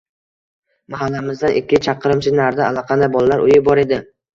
Mahallamizdan ikki chaqirimcha narida allaqanday bolalar uyi bor edi.